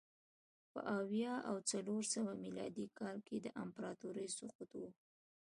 په اویا او څلور سوه میلادي کال کې د امپراتورۍ سقوط و